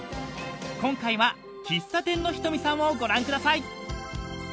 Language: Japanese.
［今回は喫茶店のひとみさんをご覧ください］